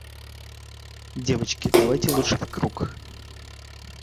Девочки, давайте лучше в круг!..